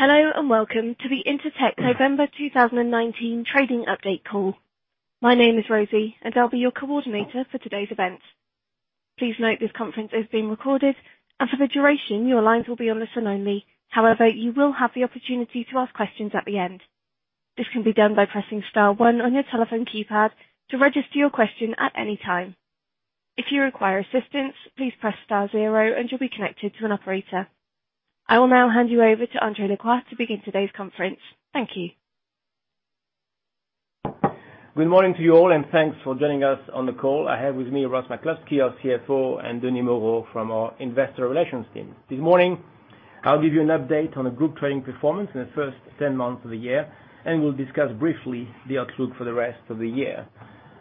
Hello, and welcome to the Intertek November 2019 trading update call. My name is Rosie, and I'll be your coordinator for today's event. Please note this conference is being recorded, and for the duration, your lines will be on listen only. However, you will have the opportunity to ask questions at the end. This can be done by pressing star one on your telephone keypad to register your question at any time. If you require assistance, please press star zero and you'll be connected to an operator. I will now hand you over to André Lacroix to begin today's conference. Thank you. Good morning to you all, thanks for joining us on the call. I have with me Ross McCluskey, our CFO, and Denis Moreau from our investor relations team. This morning, I'll give you an update on the group trading performance in the first 10 months of the year, and we'll discuss briefly the outlook for the rest of the year.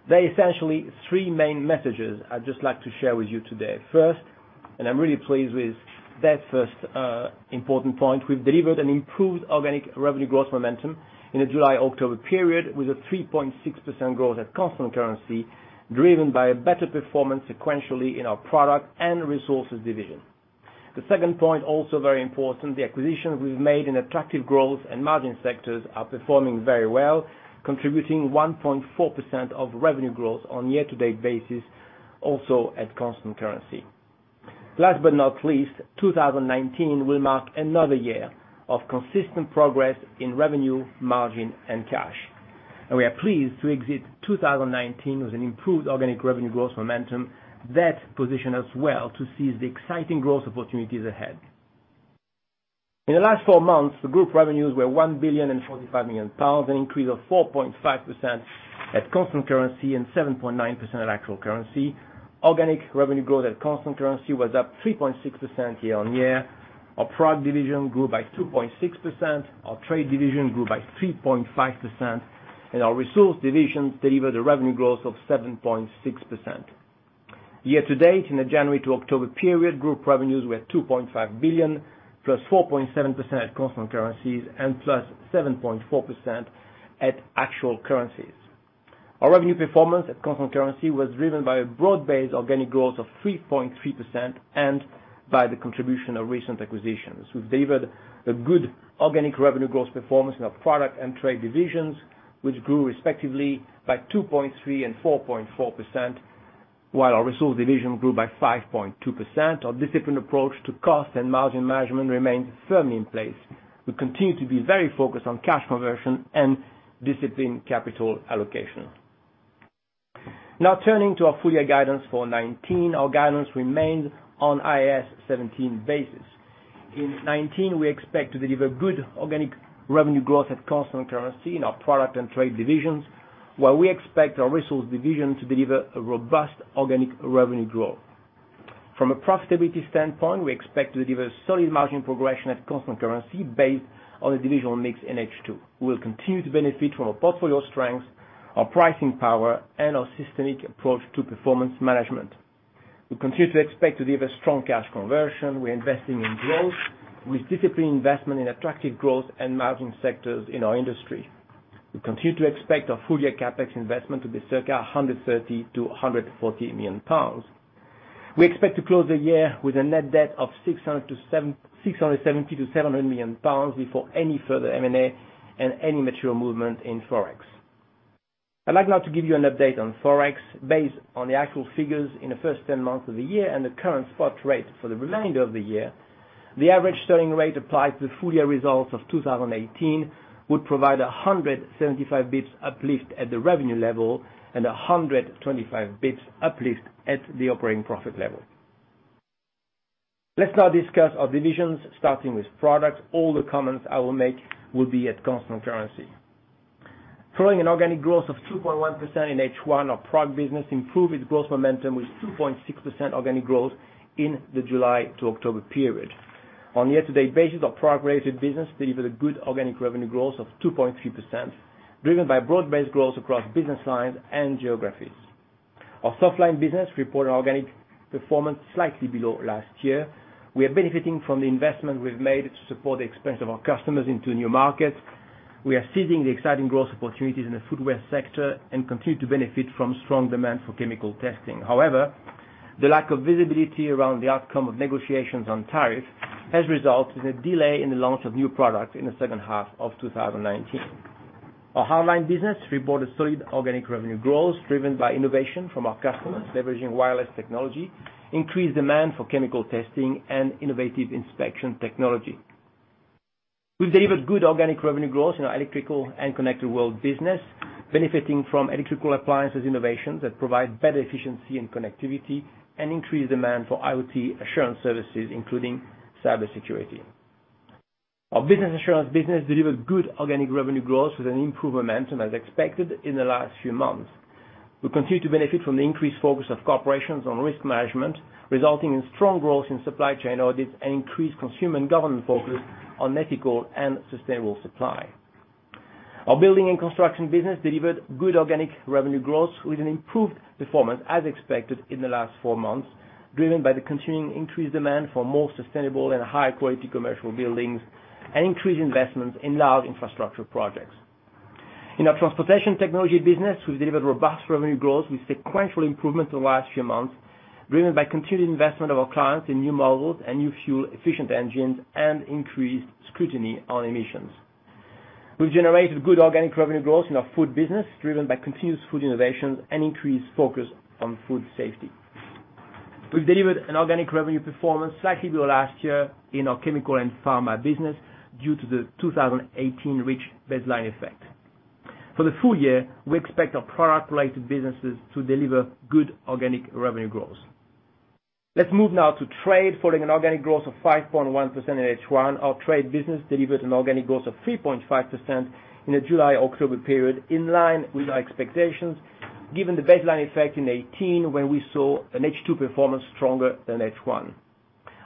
There are essentially three main messages I'd just like to share with you today. First, I'm really pleased with that first important point. We've delivered an improved organic revenue growth momentum in the July-October period with a 3.6% growth at constant currency driven by a better performance sequentially in our product and resources division. The second point, also very important, the acquisitions we've made in attractive growth and margin sectors are performing very well, contributing 1.4% of revenue growth on year-to-date basis, also at constant currency. Last but not least, 2019 will mark another year of consistent progress in revenue, margin, and cash. We are pleased to exit 2019 with an improved organic revenue growth momentum that positions us well to seize the exciting growth opportunities ahead. In the last four months, the group revenues were 1,045 million pounds, an increase of 4.5% at constant currency and 7.9% at actual currency. Organic revenue growth at constant currency was up 3.6% year-on-year. Our product division grew by 2.6%. Our trade division grew by 3.5%, and our resource division delivered a revenue growth of 7.6%. Year to date, in the January to October period, group revenues were 2.5 billion, +4.7% at constant currencies and +7.4% at actual currencies. Our revenue performance at constant currency was driven by a broad-based organic growth of 3.3% and by the contribution of recent acquisitions. We've delivered a good organic revenue growth performance in our product and trade divisions, which grew respectively by 2.3% and 4.4%, while our resource division grew by 5.2%. Our disciplined approach to cost and margin management remains firmly in place. We continue to be very focused on cash conversion and disciplined capital allocation. Turning to our full-year guidance for 2019. Our guidance remains on IAS 17 basis. In 2019, we expect to deliver good organic revenue growth at constant currency in our product and trade divisions. We expect our resource division to deliver a robust organic revenue growth. From a profitability standpoint, we expect to deliver solid margin progression at constant currency based on the divisional mix in H2. We will continue to benefit from our portfolio strengths, our pricing power, and our systemic approach to performance management. We continue to expect to deliver strong cash conversion. We are investing in growth with disciplined investment in attractive growth and margin sectors in our industry. We continue to expect our full-year CapEx investment to be circa 130 million-140 million pounds. We expect to close the year with a net debt of 670 million-700 million pounds before any further M&A and any material movement in Forex. I'd like now to give you an update on Forex based on the actual figures in the first 10 months of the year and the current spot rate for the remainder of the year. The average sterling rate applied to the full-year results of 2018 would provide 175 basis points uplift at the revenue level and 125 basis points uplift at the operating profit level. Let's now discuss our divisions, starting with products. All the comments I will make will be at constant currency. Following an organic growth of 2.1% in H1, our product business improved its growth momentum with 2.6% organic growth in the July to October period. On a year-to-date basis, our product-related business delivered a good organic revenue growth of 2.3%, driven by broad-based growth across business lines and geographies. Our softline business reported organic performance slightly below last year. We are benefiting from the investment we've made to support the expansion of our customers into new markets. We are seizing the exciting growth opportunities in the footwear sector and continue to benefit from strong demand for chemical testing. The lack of visibility around the outcome of negotiations on tariff has resulted in a delay in the launch of new products in the second half of 2019. Our hardline business reported solid organic revenue growth driven by innovation from our customers leveraging wireless technology, increased demand for chemical testing, and innovative inspection technology. We've delivered good organic revenue growth in our electrical and connected world business, benefiting from electrical appliances innovations that provide better efficiency and connectivity, and increased demand for IoT assurance services, including cybersecurity. Our business assurance business delivered good organic revenue growth with an improved momentum as expected in the last few months. We continue to benefit from the increased focus of corporations on risk management, resulting in strong growth in supply chain audits and increased consumer and government focus on ethical and sustainable supply. Our building and construction business delivered good organic revenue growth with an improved performance as expected in the last four months, driven by the continuing increased demand for more sustainable and high-quality commercial buildings and increased investments in large infrastructure projects. In our transportation technology business, we've delivered robust revenue growth with sequential improvement in the last few months, driven by continued investment of our clients in new models and new fuel-efficient engines, and increased scrutiny on emissions. We've generated good organic revenue growth in our food business, driven by continuous food innovations and increased focus on food safety. We've delivered an organic revenue performance slightly below last year in our chemical and pharma business due to the 2018 rich baseline effect. For the full year, we expect our product-related businesses to deliver good organic revenue growth. Let's move now to trade. Following an organic growth of 5.1% in H1, our trade business delivered an organic growth of 3.5% in the July-October period, in line with our expectations, given the baseline effect in 2018 when we saw an H2 performance stronger than H1.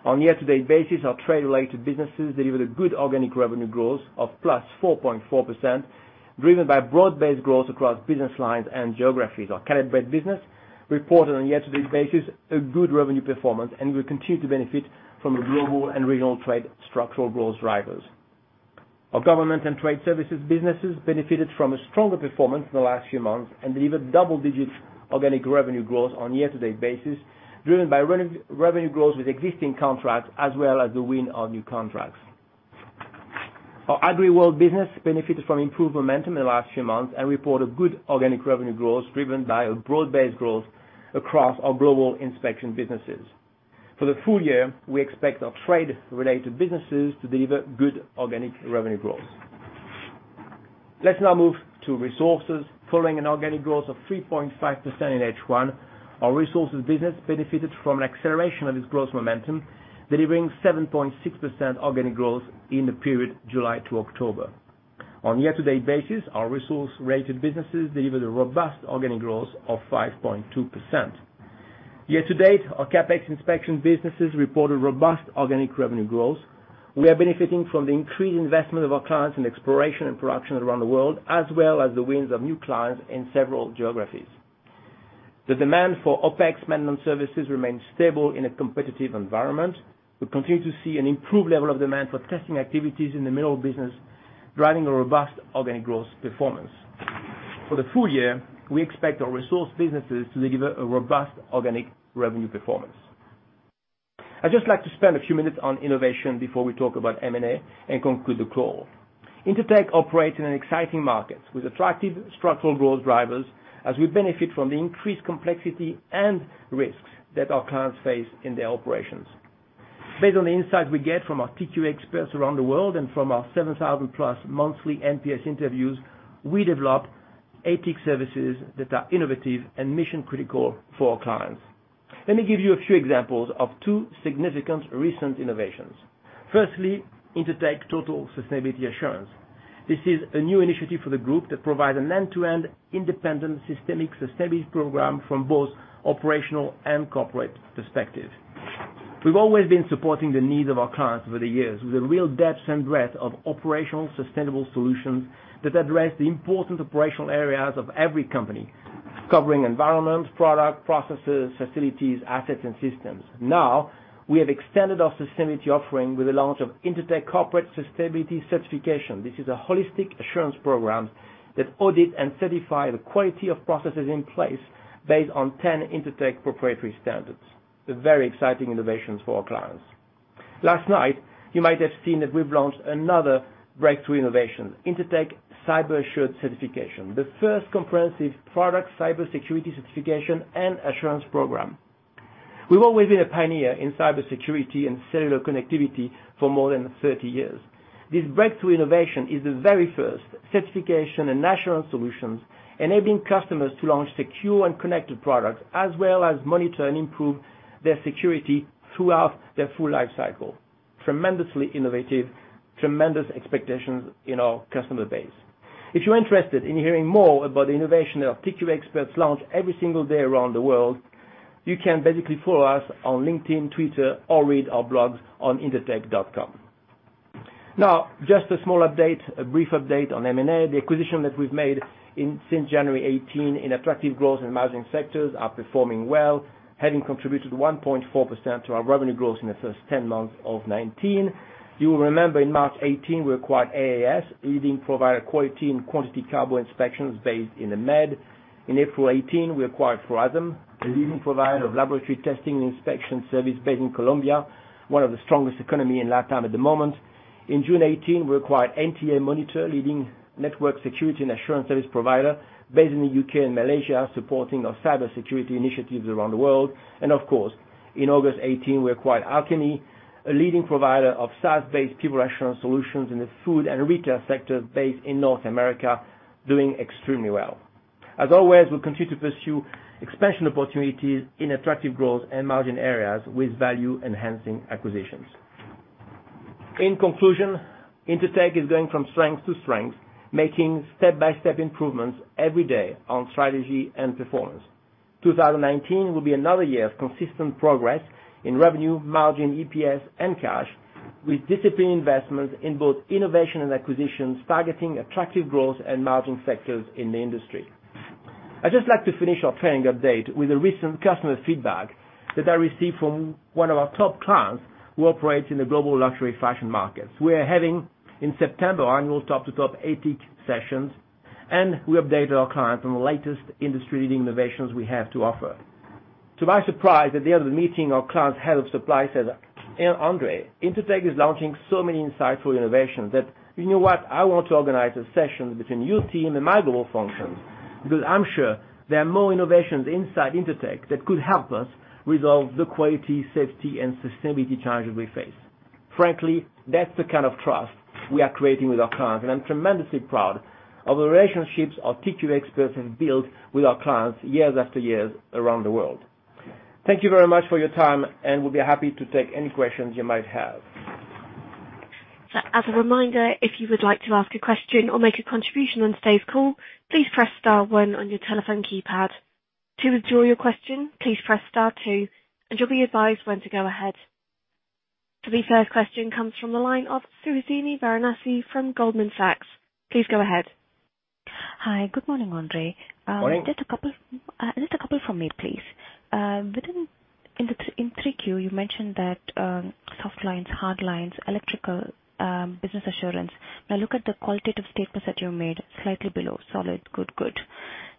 On a year-to-date basis, our trade-related businesses delivered a good organic revenue growth of plus 4.4%, driven by broad-based growth across business lines and geographies. Our Caleb Brett business reported on a year-to-date basis a good revenue performance, and we continue to benefit from the global and regional trade structural growth drivers. Our government and trade services businesses benefited from a stronger performance in the last few months and delivered double-digit organic revenue growth on a year-to-date basis, driven by revenue growth with existing contracts as well as the win of new contracts. Our AgriWorld business benefited from improved momentum in the last few months and reported good organic revenue growth, driven by a broad-based growth across our global inspection businesses. For the full year, we expect our trade-related businesses to deliver good organic revenue growth. Let's now move to resources. Following an organic growth of 3.5% in H1, our resources business benefited from an acceleration of its growth momentum, delivering 7.6% organic growth in the period July to October. On a year-to-date basis, our resource-related businesses delivered a robust organic growth of 5.2%. Year-to-date, our CapEx inspection businesses reported robust organic revenue growth. We are benefiting from the increased investment of our clients in exploration and production around the world, as well as the wins of new clients in several geographies. The demand for OpEx maintenance services remains stable in a competitive environment. We continue to see an improved level of demand for testing activities in the mineral business, driving a robust organic growth performance. For the full year, we expect our resource businesses to deliver a robust organic revenue performance. I'd just like to spend a few minutes on innovation before we talk about M&A and conclude the call. Intertek operates in an exciting market with attractive structural growth drivers as we benefit from the increased complexity and risks that our clients face in their operations. Based on the insight we get from our TQA experts around the world and from our 7,000-plus monthly NPS interviews, we develop ATIC services that are innovative and mission-critical for our clients. Let me give you a few examples of two significant recent innovations. Intertek Total Sustainability Assurance. This is a new initiative for the group that provides an end-to-end independent systemic sustainability program from both operational and corporate perspective. We've always been supporting the needs of our clients over the years with a real depth and breadth of operational sustainable solutions that address the important operational areas of every company, covering environment, product, processes, facilities, assets, and systems. We have extended our sustainability offering with the launch of Intertek Corporate Sustainability Certification. This is a holistic assurance program that audit and certify the quality of processes in place based on 10 Intertek proprietary standards. A very exciting innovation for our clients. Last night, you might have seen that we've launched another breakthrough innovation, Intertek Cyber Assured Certification, the first comprehensive product cybersecurity certification and assurance program. We've always been a pioneer in cybersecurity and cellular connectivity for more than 30 years. This breakthrough innovation is the very first certification and assurance solutions enabling customers to launch secure and connected products as well as monitor and improve their security throughout their full life cycle. Tremendously innovative, tremendous expectations in our customer base. If you're interested in hearing more about the innovation that our TQA experts launch every single day around the world, you can basically follow us on LinkedIn, Twitter, or read our blogs on intertek.com. Just a small update, a brief update on M&A. The acquisition that we've made since January 2018 in attractive growth and emerging sectors are performing well, having contributed 1.4% to our revenue growth in the first 10 months of 2019. You will remember in March 2018, we acquired AAS, a leading provider of quality and quantity cargo inspections based in the Med. In April 2018, we acquired Proasem, a leading provider of laboratory testing and inspection service based in Colombia, one of the strongest economy in LatAm at the moment. In June 2018, we acquired NTA Monitor, a leading network security and assurance service provider based in the U.K. and Malaysia, supporting our cybersecurity initiatives around the world. Of course, in August 2018, we acquired Alchemy, a leading provider of SaaS-based people assurance solutions in the food and retail sector based in North America, doing extremely well. As always, we'll continue to pursue expansion opportunities in attractive growth and margin areas with value-enhancing acquisitions. In conclusion, Intertek is going from strength to strength, making step-by-step improvements every day on strategy and performance. 2019 will be another year of consistent progress in revenue, margin, EPS, and cash, with disciplined investment in both innovation and acquisitions targeting attractive growth and margin sectors in the industry. I'd just like to finish our trading update with a recent customer feedback that I received from one of our top clients who operates in the global luxury fashion markets. We are having, in September, annual top to top 80 sessions, and we updated our clients on the latest industry-leading innovations we have to offer. To my surprise, at the end of the meeting, our client's head of supply said, "André, Intertek is launching so many insightful innovations that, you know what? I want to organize a session between your team and my global functions, because I'm sure there are more innovations inside Intertek that could help us resolve the quality, safety, and sustainability challenges we face. Frankly, that's the kind of trust we are creating with our clients, and I'm tremendously proud of the relationships our TQ experts have built with our clients years after years around the world. Thank you very much for your time, and we'll be happy to take any questions you might have. As a reminder, if you would like to ask a question or make a contribution on today's call, please press star one on your telephone keypad. To withdraw your question, please press star two, and you'll be advised when to go ahead. The first question comes from the line of Suhasini Varanasi from Goldman Sachs. Please go ahead. Hi. Good morning, André. Morning. Just a couple from me, please. In 3Q, you mentioned that soft lines, hard lines, electrical, Business Assurance. Now look at the qualitative statements that you made, slightly below, solid, good.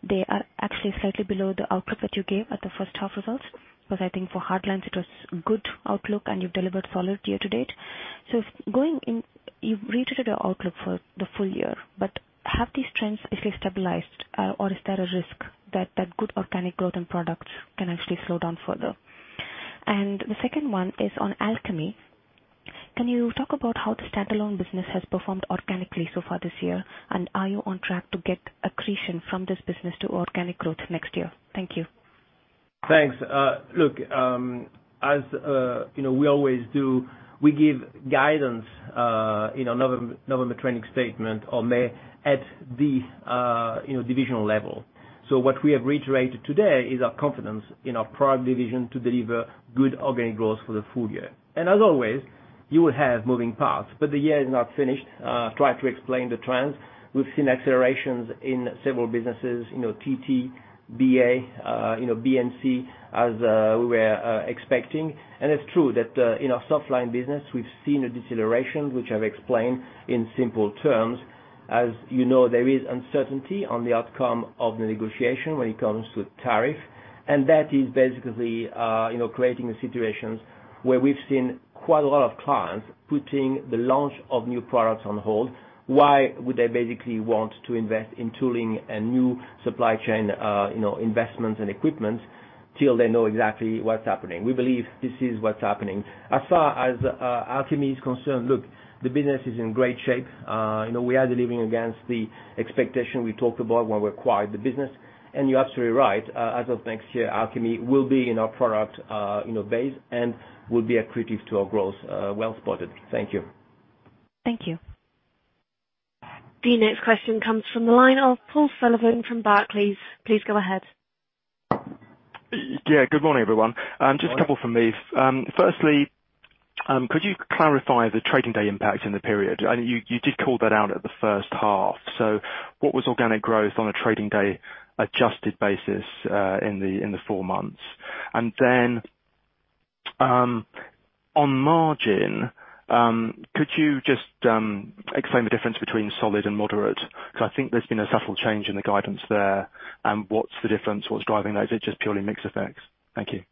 They are actually slightly below the outlook that you gave at the first half results, because I think for hard lines it was good outlook and you've delivered solid year to date. You've reiterated your outlook for the full year, but have these trends actually stabilized or is there a risk that that good organic growth and products can actually slow down further? The second one is on Alchemy. Can you talk about how the standalone business has performed organically so far this year? Are you on track to get accretion from this business to organic growth next year? Thank you. Thanks. Look, as we always do, we give guidance in our November trading statement or May at the divisional level. What we have reiterated today is our confidence in our product division to deliver good organic growth for the full year. As always, you will have moving parts, but the year is not finished. Try to explain the trends. We've seen accelerations in several businesses, TT, BA B&C, as we were expecting. It's true that in our soft line business, we've seen a deceleration, which I've explained in simple terms. As you know, there is uncertainty on the outcome of the negotiation when it comes to tariff, and that is basically creating a situation where we've seen quite a lot of clients putting the launch of new products on hold. Why would they basically want to invest in tooling a new supply chain investment and equipment till they know exactly what's happening? We believe this is what's happening. As far as Alchemy is concerned, look, the business is in great shape. We are delivering against the expectation we talked about when we acquired the business. You're absolutely right. As of next year, Alchemy will be in our product base and will be accretive to our growth. Well spotted. Thank you. Thank you. The next question comes from the line of Paul Sullivan from Barclays. Please go ahead. Yeah. Good morning, everyone. Morning. Just a couple from me. Firstly, could you clarify the trading day impact in the period? You did call that out at the first half. What was organic growth on a trading day adjusted basis in the four months? Then, on margin, could you just explain the difference between solid and moderate? I think there's been a subtle change in the guidance there. What's the difference? What's driving those? Is it just purely mix effects? Thank you.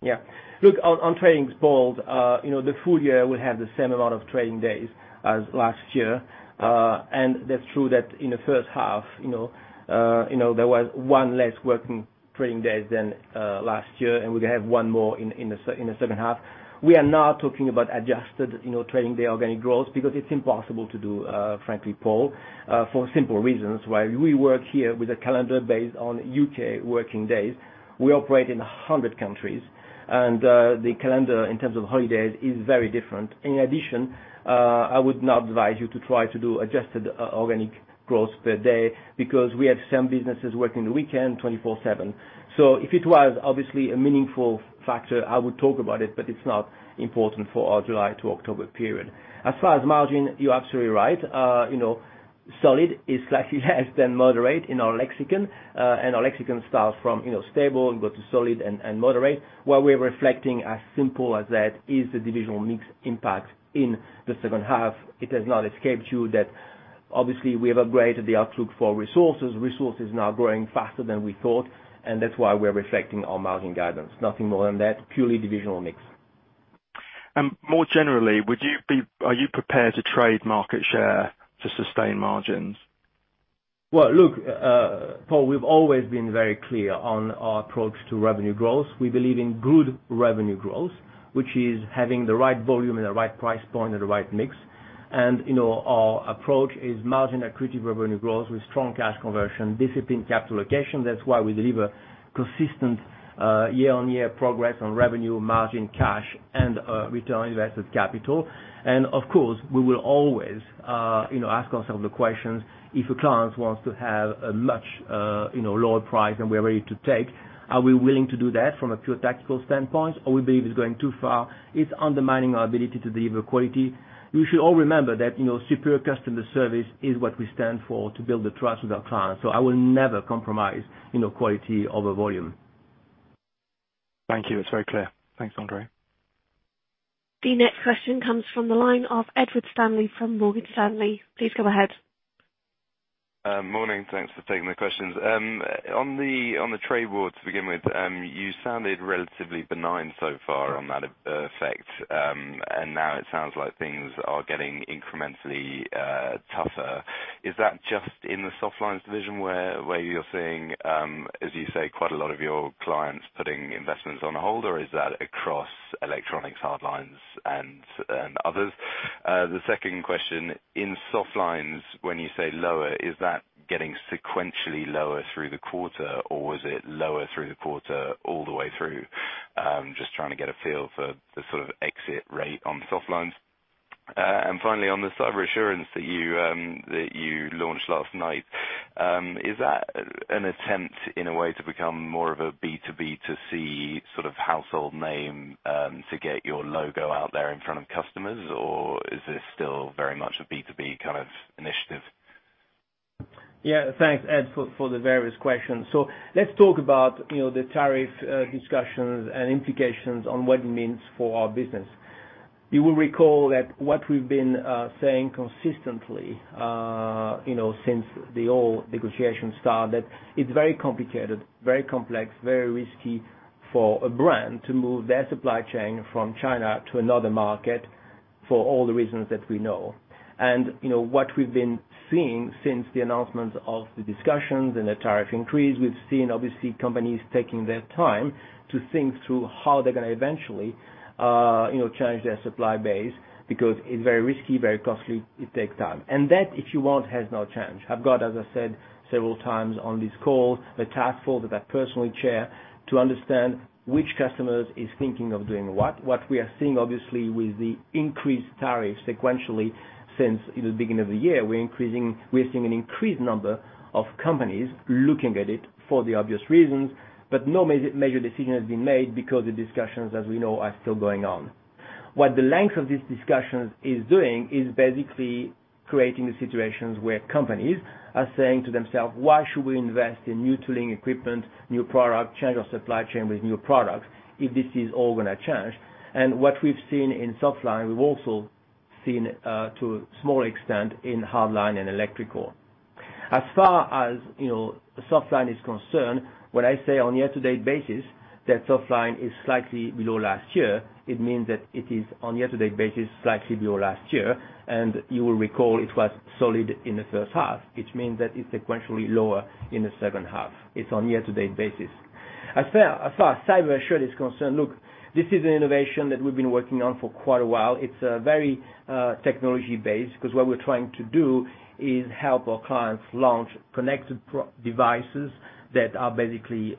Yeah. Look, on tradings, Paul, the full year will have the same amount of trading days as last year. That's true that in the first half there was one less working trading day than last year, and we're going to have one more in the second half. We are not talking about adjusted trading day organic growth because it's impossible to do, frankly, Paul, for simple reasons. While we work here with a calendar based on U.K. working days, we operate in 100 countries, the calendar in terms of holidays is very different. In addition, I would not advise you to try to do adjusted organic growth per day because we have some businesses working the weekend 24/7. If it was obviously a meaningful factor, I would talk about it's not important for our July to October period. As far as margin, you're absolutely right. Solid is slightly less than moderate in our lexicon, and our lexicon starts from stable and go to solid and moderate. What we're reflecting, as simple as that, is the divisional mix impact in the second half. It has not escaped you that obviously we have upgraded the outlook for resources. Resource is now growing faster than we thought, and that's why we're reflecting our margin guidance. Nothing more than that, purely divisional mix. More generally, are you prepared to trade market share to sustain margins? Well, look, Paul, we've always been very clear on our approach to revenue growth. We believe in good revenue growth, which is having the right volume and the right price point and the right mix. Our approach is margin accretive revenue growth with strong cash conversion, disciplined capital allocation. That's why we deliver consistent year-on-year progress on revenue, margin, cash, and return on invested capital. Of course, we will always ask ourselves the questions, if a client wants to have a much lower price than we're ready to take, are we willing to do that from a pure tactical standpoint? We believe it's going too far, it's undermining our ability to deliver quality. We should all remember that superior customer service is what we stand for to build the trust with our clients. I will never compromise quality over volume. Thank you. It's very clear. Thanks, André. The next question comes from the line of Edward Stanley from Morgan Stanley. Please go ahead. Morning. Thanks for taking the questions. On the trade war to begin with, you sounded relatively benign so far on that effect, and now it sounds like things are getting incrementally tougher. Is that just in the softlines division where you're seeing, as you say, quite a lot of your clients putting investments on hold, or is that across electronics, hardlines and others? The second question, in softlines, when you say lower, is that getting sequentially lower through the quarter, or was it lower through the quarter all the way through? Just trying to get a feel for the sort of exit rate on softlines. Finally, on the Cyber Assurance that you launched last night, is that an attempt, in a way, to become more of a B2B to C sort of household name to get your logo out there in front of customers, or is this still very much a B2B kind of initiative? Yeah. Thanks, Ed, for the various questions. Let's talk about the tariff discussions and implications on what it means for our business. You will recall that what we've been saying consistently since the whole negotiation started, it's very complicated, very complex, very risky for a brand to move their supply chain from China to another market for all the reasons that we know. What we've been seeing since the announcement of the discussions and the tariff increase, we've seen obviously companies taking their time to think through how they're going to eventually change their supply base because it's very risky, very costly. It takes time. That, if you want, has not changed. I've got, as I said several times on this call, the task force that I personally chair to understand which customers is thinking of doing what. What we are seeing obviously with the increased tariff sequentially since the beginning of the year, we're seeing an increased number of companies looking at it for the obvious reasons. No major decision has been made because the discussions, as we know, are still going on. What the length of these discussions is doing is basically creating the situations where companies are saying to themselves, "Why should we invest in new tooling equipment, new product, change our supply chain with new products if this is all going to change?" What we've seen in softline, we've also seen to a small extent in hardline and electrical. As far as softline is concerned, when I say on a year-to-date basis that softline is slightly below last year, it means that it is on a year-to-date basis slightly below last year, and you will recall it was solid in the first half, which means that it is sequentially lower in the second half. It is on a year-to-date basis. As far as cyber assurance is concerned, look, this is an innovation that we have been working on for quite a while. It is very technology-based because what we are trying to do is help our clients launch connected devices that are basically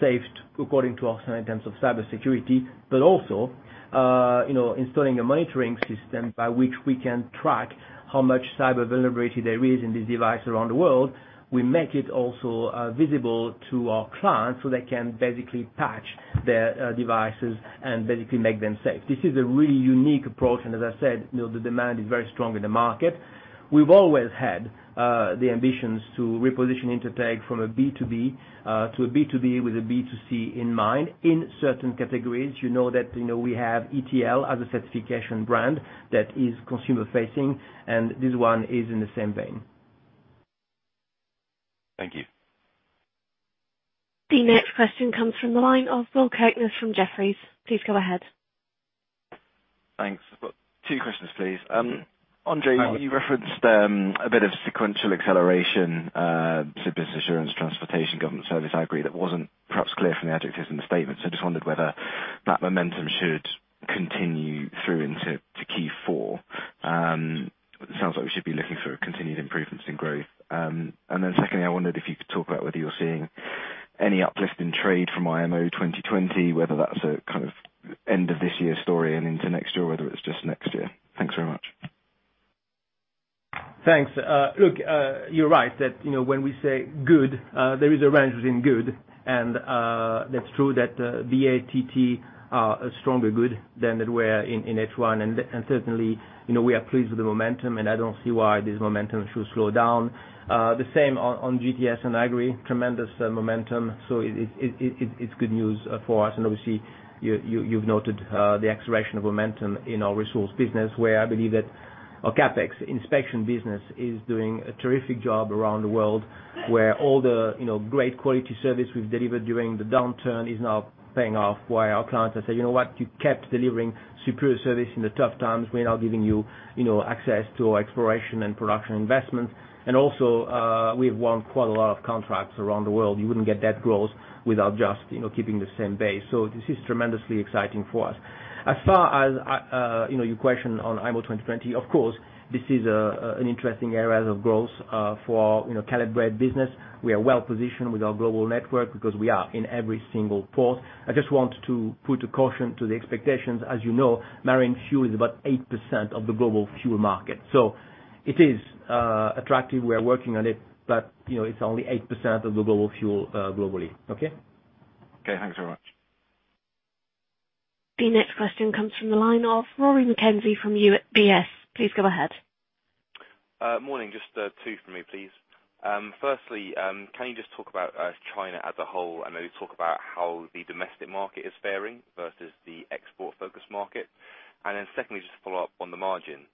safe according to our standards of cybersecurity, but also installing a monitoring system by which we can track how much cyber vulnerability there is in this device around the world. We make it also visible to our clients so they can basically patch their devices and basically make them safe. This is a really unique approach, and as I said, the demand is very strong in the market. We've always had the ambitions to reposition Intertek from a B2B to a B2B with a B2C in mind in certain categories. You know that we have ETL as a certification brand that is consumer-facing, and this one is in the same vein. Thank you. The next question comes from the line of Will Cerkner from Jefferies. Please go ahead. Thanks. I've got two questions, please. André, you referenced a bit of sequential acceleration, Business Assurance, Transportation, Government Service. I agree that wasn't perhaps clear from the adjectives in the statement, so just wondered whether that momentum should continue through into Q4. Secondly, I wondered if you could talk about whether you're seeing any uplift in trade from IMO 2020, whether that's a kind of end-of-this-year story and into next year, or whether it's just next year. Thanks very much. Thanks. Look, you're right that when we say good, there is a range within good, and that's true that the TT are a stronger good than they were in H1. Certainly, we are pleased with the momentum, and I don't see why this momentum should slow down. The same on GTS and Agri, tremendous momentum. It's good news for us. Obviously, you've noted the acceleration of momentum in our resource business where I believe that our CapEx inspection business is doing a terrific job around the world where all the great quality service we've delivered during the downturn is now paying off while our clients are saying, "You know what? You kept delivering superior service in the tough times. We're now giving you access to exploration and production investments." Also, we have won quite a lot of contracts around the world. You wouldn't get that growth without just keeping the same base. This is tremendously exciting for us. As far as your question on IMO 2020, of course, this is an interesting area of growth for our Caleb Brett business. We are well-positioned with our global network because we are in every single port. I just want to put a caution to the expectations. As you know, marine fuel is about 8% of the global fuel market. It is attractive. We are working on it, but it's only 8% of the global fuel globally. Okay? Okay. Thanks very much. The next question comes from the line of Rory McKenzie from UBS. Please go ahead. Morning. Just two from me, please. Firstly, can you just talk about China as a whole, and maybe talk about how the domestic market is faring versus the export-focused market? Secondly, just to follow up on the margin.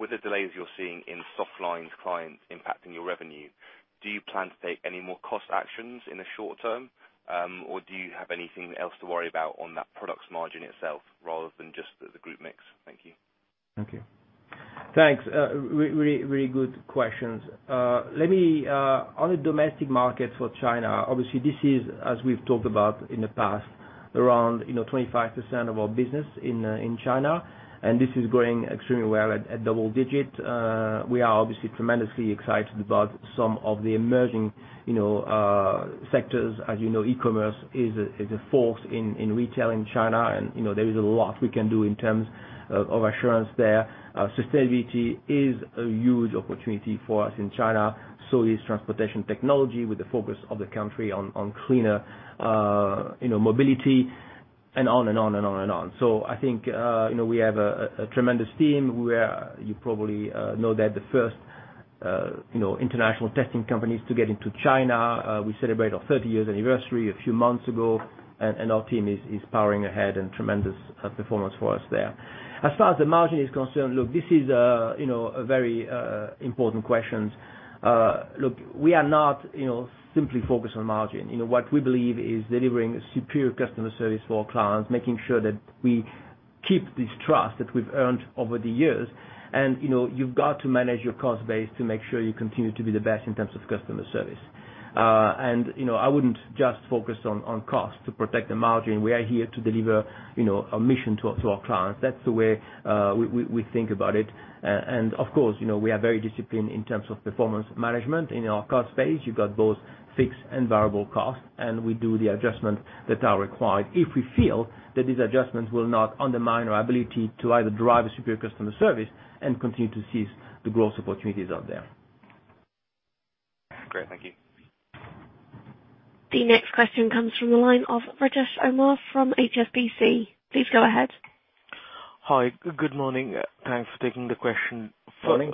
With the delays you're seeing in softline clients impacting your revenue, do you plan to take any more cost actions in the short term? Do you have anything else to worry about on that product's margin itself rather than just the group mix? Thank you. Thank you. Thanks. Really good questions. The domestic market for China, obviously this is, as we've talked about in the past, around 25% of our business in China, and this is growing extremely well at double-digit. We are obviously tremendously excited about some of the emerging sectors. As you know, e-commerce is a force in retail in China and there is a lot we can do in terms of assurance there. sustainability is a huge opportunity for us in China. Transportation technology, with the focus of the country on cleaner mobility, and on and on and on. I think we have a tremendous team. We are, you probably know, the first international testing companies to get into China. We celebrate our 30 years anniversary a few months ago, and our team is powering ahead and tremendous performance for us there. As far as the margin is concerned, look, this is a very important question. Look, we are not simply focused on margin. What we believe is delivering a superior customer service for our clients, making sure that we keep this trust that we've earned over the years, and you've got to manage your cost base to make sure you continue to be the best in terms of customer service. I wouldn't just focus on cost to protect the margin. We are here to deliver a mission to our clients. That's the way we think about it. Of course, we are very disciplined in terms of performance management. In our cost base, you've got both fixed and variable costs, and we do the adjustments that are required if we feel that these adjustments will not undermine our ability to either drive a superior customer service and continue to seize the growth opportunities out there. Great. Thank you. The next question comes from the line of Rajesh Kumar from HSBC. Please go ahead. Hi, good morning. Thanks for taking the question. Morning.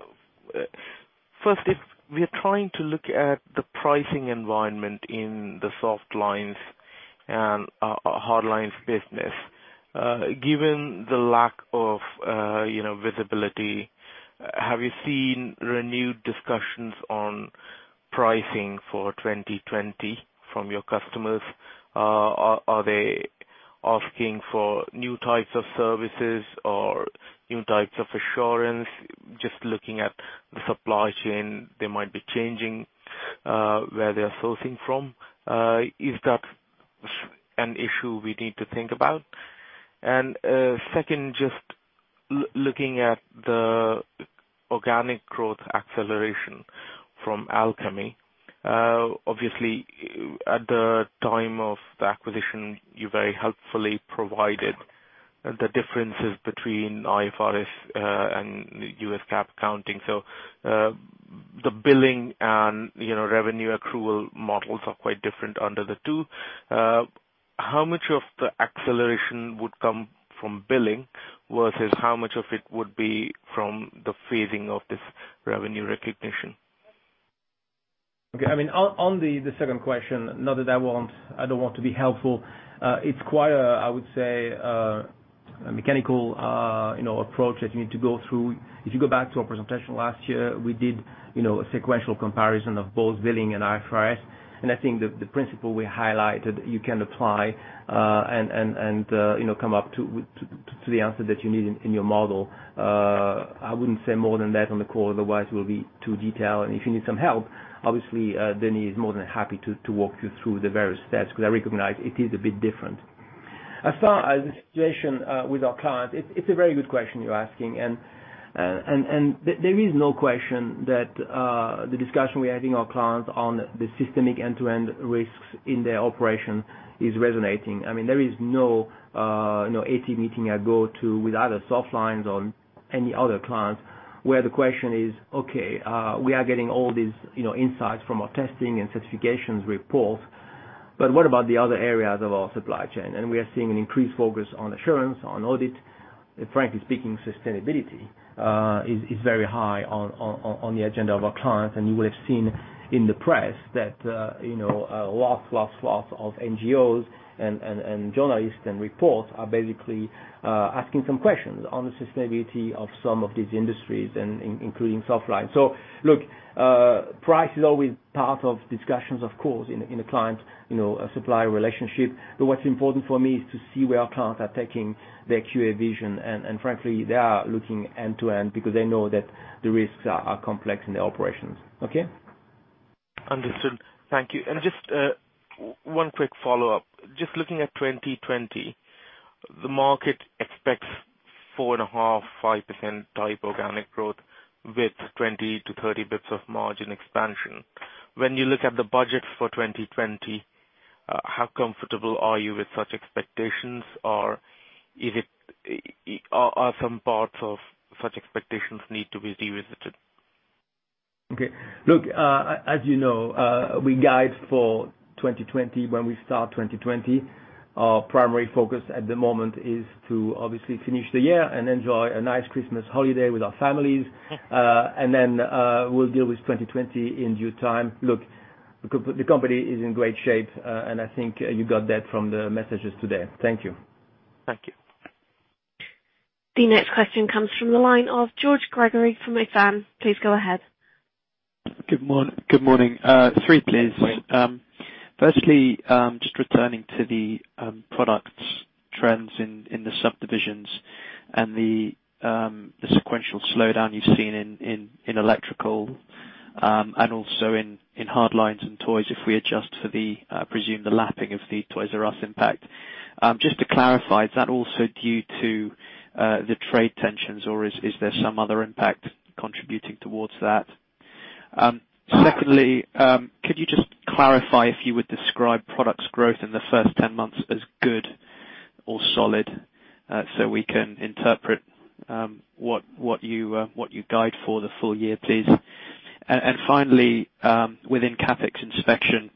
First, if we are trying to look at the pricing environment in the softlines and hard lines business, given the lack of visibility, have you seen renewed discussions on pricing for 2020 from your customers? Are they asking for new types of services or new types of assurance, just looking at the supply chain, they might be changing where they're sourcing from? Is that an issue we need to think about? Second, just looking at the organic growth acceleration from Alchemy. Obviously, at the time of the acquisition, you very helpfully provided the differences between IFRS and US GAAP accounting. The billing and revenue accrual models are quite different under the two. How much of the acceleration would come from billing versus how much of it would be from the phasing of this revenue recognition? Okay, on the second question, not that I don't want to be helpful. It's quite a, I would say, a mechanical approach that you need to go through. If you go back to our presentation last year, we did a sequential comparison of both billing and IFRS. I think the principle we highlighted, you can apply and come up to the answer that you need in your model. I wouldn't say more than that on the call, otherwise we'll be too detailed. If you need some help, obviously Denis is more than happy to walk you through the various steps, because I recognize it is a bit different. As far as the situation with our clients, it's a very good question you're asking, there is no question that the discussion we're having with our clients on the systemic end-to-end risks in their operation is resonating. There is no AT meeting I go to with either softlines or any other clients where the question is, okay, we are getting all these insights from our testing and certifications reports, but what about the other areas of our supply chain? We are seeing an increased focus on assurance, on audit. Frankly speaking, sustainability is very high on the agenda of our clients, and you will have seen in the press that a lot of NGOs and journalists and reports are basically asking some questions on the sustainability of some of these industries, including softline. Look, price is always part of discussions, of course, in a client-supplier relationship. What's important for me is to see where our clients are taking their QA vision, and frankly, they are looking end to end because they know that the risks are complex in their operations. Okay? Understood. Thank you. Just one quick follow-up. Just looking at 2020, the market expects 4.5%, 5% type organic growth with 20 to 30 basis points of margin expansion. When you look at the budgets for 2020, how comfortable are you with such expectations, or are some parts of such expectations need to be revisited? Okay. Look, as you know, we guide for 2020 when we start 2020. Our primary focus at the moment is to obviously finish the year and enjoy a nice Christmas holiday with our families. Then, we'll deal with 2020 in due time. Look, the company is in great shape, and I think you got that from the messages today. Thank you. Thank you. The next question comes from the line of George Gregory from Exane. Please go ahead. Good morning. Three, please. Good morning. Firstly, just returning to the products trends in the subdivisions and the sequential slowdown you've seen in electrical, and also in hardlines and toys, if we adjust for the, presumed, the lapping of the Toys 'R' Us impact. Just to clarify, is that also due to the trade tensions or is there some other impact contributing towards that? Secondly, could you just clarify if you would describe products growth in the first 10 months as good or solid, so we can interpret what you guide for the full year, please. Finally, within CapEx inspection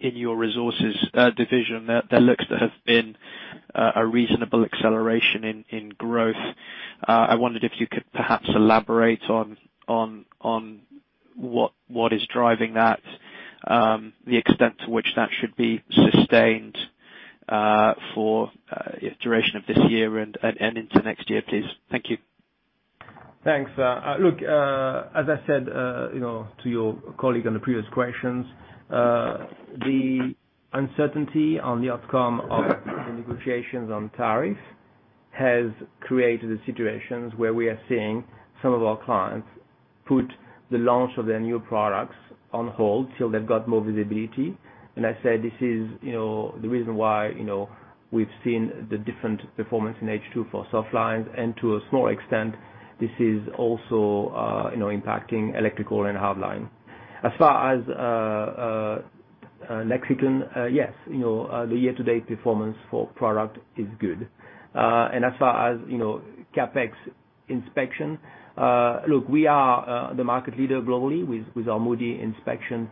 in your resources division, there looks to have been a reasonable acceleration in growth. I wondered if you could perhaps elaborate on what is driving that, the extent to which that should be sustained for duration of this year and into next year, please. Thank you. Thanks. Look, as I said to your colleague on the previous questions, the uncertainty on the outcome of the negotiations on tariff has created a situation where we are seeing some of our clients put the launch of their new products on hold till they've got more visibility. I said, this is the reason why we've seen the different performance in H2 for softlines, and to a small extent, this is also impacting electrical and hardline. As far as Mexican, yes, the year-to-date performance for product is good. As far as CapEx inspection, look, we are the market leader globally with our Moody inspection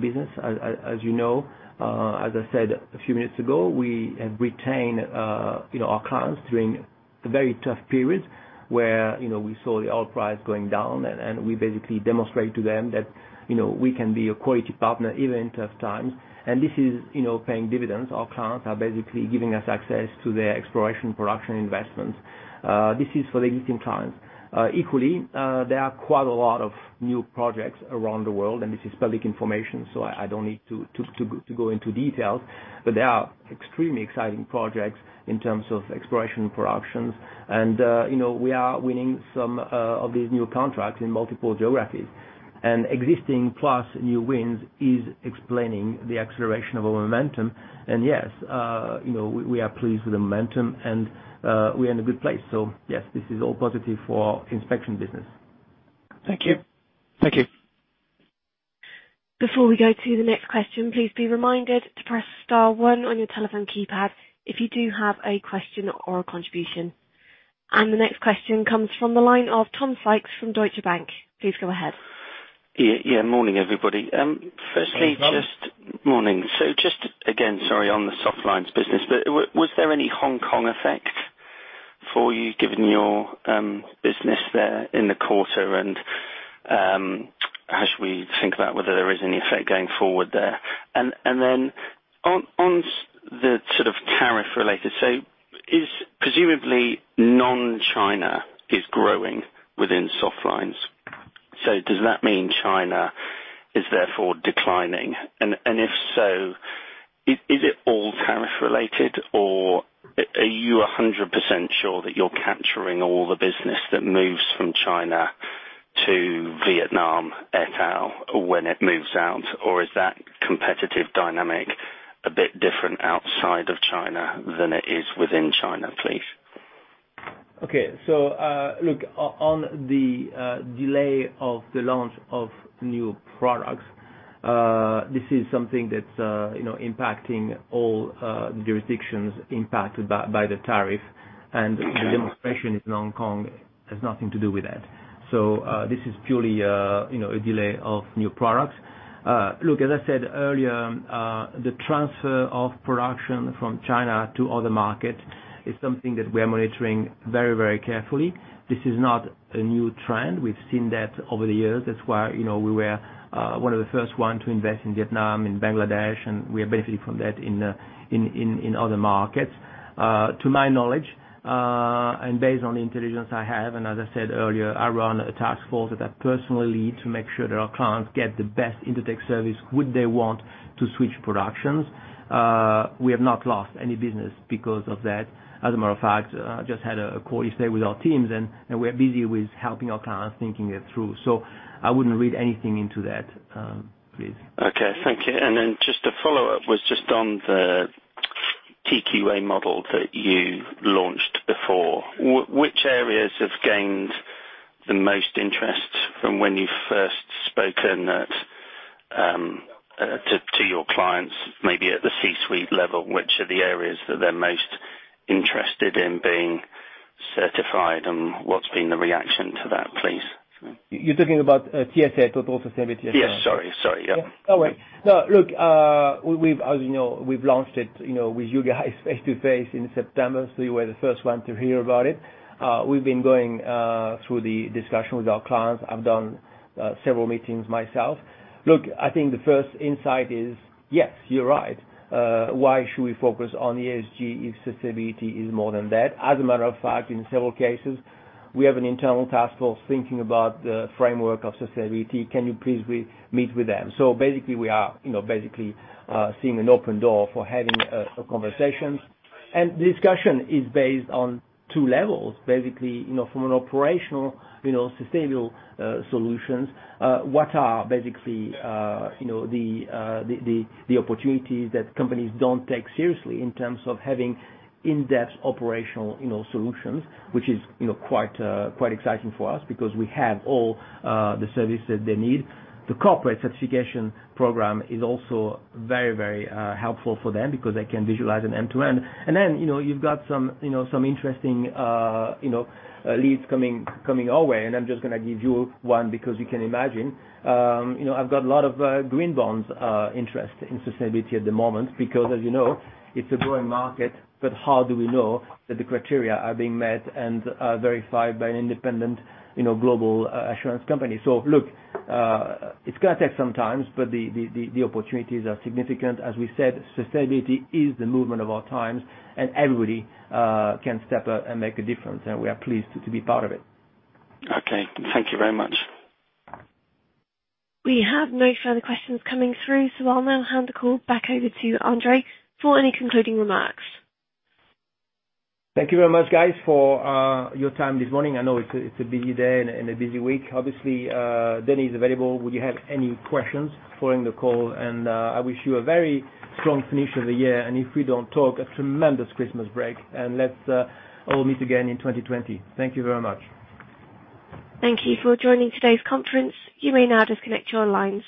business. As you know, as I said a few minutes ago, we have retained our clients during a very tough period where we saw the oil price going down. We basically demonstrate to them that we can be a quality partner even in tough times. This is paying dividends. Our clients are basically giving us access to their exploration production investments. This is for the existing clients. Equally, there are quite a lot of new projects around the world. This is public information, so I don't need to go into details. There are extremely exciting projects in terms of exploration productions. We are winning some of these new contracts in multiple geographies. Existing plus new wins is explaining the acceleration of our momentum. Yes, we are pleased with the momentum and we are in a good place. Yes, this is all positive for inspection business. Thank you. Before we go to the next question, please be reminded to press star one on your telephone keypad if you do have a question or a contribution. The next question comes from the line of Tom Sykes from Deutsche Bank. Please go ahead. Yeah. Morning, everybody. Morning, Tom. Morning. Just again, sorry, on the softlines business, was there any Hong Kong effect for you given your business there in the quarter? How should we think about whether there is any effect going forward there? On the sort of tariff related, presumably, non-China is growing within softlines. Does that mean China is therefore declining? If so, is it all tariff related, or are you 100% sure that you're capturing all the business that moves from China to Vietnam, et al., when it moves out? Is that competitive dynamic a bit different outside of China than it is within China, please? Look on the delay of the launch of new products, this is something that's impacting all jurisdictions impacted by the tariff. The demonstration in Hong Kong has nothing to do with that. This is purely a delay of new products. Look, as I said earlier, the transfer of production from China to other markets is something that we are monitoring very carefully. This is not a new trend. We've seen that over the years. That's why we were one of the first one to invest in Vietnam, in Bangladesh, and we are benefiting from that in other markets. To my knowledge, and based on the intelligence I have, and as I said earlier, I run a task force that I personally lead to make sure that our clients get the best Intertek service should they want to switch productions. We have not lost any business because of that. As a matter of fact, I just had a call yesterday with our teams, and we are busy with helping our clients thinking it through. I wouldn't read anything into that, please. Okay. Thank you. Just a follow-up was just on the TQA model that you launched before. Which areas have gained the most interest from when you first spoken that to your clients, maybe at the C-suite level, which are the areas that they're most interested in being certified, and what's been the reaction to that, please? You're talking about TSA, Total Sustainability Assurance? Yes. Sorry. No. Look, as you know, we've launched it with you guys face-to-face in September, so you were the first one to hear about it. We've been going through the discussion with our clients. I've done several meetings myself. Look, I think the first insight is, yes, you're right. Why should we focus on ESG if sustainability is more than that? As a matter of fact, in several cases, we have an internal task force thinking about the framework of sustainability. Can you please meet with them? Basically, we are seeing an open door for having a conversation. The discussion is based on two levels. Basically, from an operational sustainable solutions, what are basically the opportunities that companies don't take seriously in terms of having in-depth operational solutions, which is quite exciting for us because we have all the services they need. The corporate certification program is also very helpful for them because they can visualize an end-to-end. You've got some interesting leads coming our way, and I'm just going to give you one because you can imagine. I've got a lot of green bonds interest in sustainability at the moment because, as you know, it's a growing market, but how do we know that the criteria are being met and are verified by an independent global assurance company? Look, it's going to take some time, but the opportunities are significant. As we said, sustainability is the movement of our times, and everybody can step up and make a difference, and we are pleased to be part of it. Okay. Thank you very much. We have no further questions coming through, so I'll now hand the call back over to André for any concluding remarks. Thank you very much, guys, for your time this morning. I know it's a busy day and a busy week. Obviously, Denny is available would you have any questions following the call. I wish you a very strong finish of the year, and if we don't talk, a tremendous Christmas break. Let's all meet again in 2020. Thank you very much. Thank you for joining today's conference. You may now disconnect your lines.